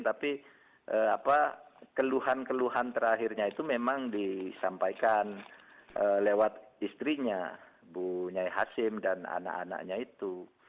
tapi keluhan keluhan terakhirnya itu memang disampaikan lewat istrinya bu nyai hashim dan anak anaknya itu